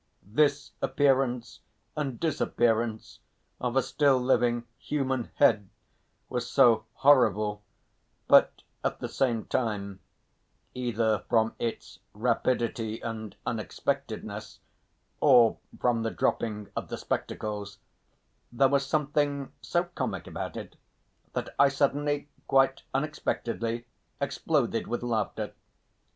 This appearance and disappearance of a still living human head was so horrible, but at the same either from its rapidity and unexpectedness or from the dropping of the spectacles there was something so comic about it that I suddenly quite unexpectedly exploded with laughter.